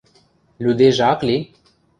– Лӱдежӹ ак ли?